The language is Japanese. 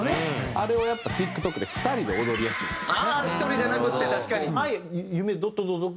あれをやっぱＴｉｋＴｏｋで２人で踊りやすいんですよ。